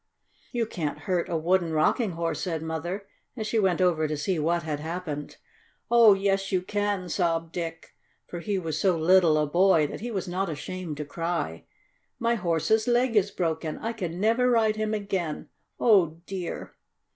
"You can't hurt a wooden rocking horse," said Mother, as she went over to see what had happened. "Oh, yes you can!" sobbed Dick, for he was so little a boy that he was not ashamed to cry. "My Horse's leg is broken! I can never ride him again! Oh, dear!"